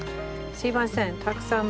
すいません。